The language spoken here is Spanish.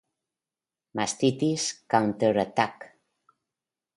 Mastitis: Counter attack.